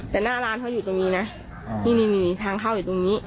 แต่หน้าร้านเขาอยู่ตรงนี้นะที่นี่มีทางเข้าอยู่ตรงนี้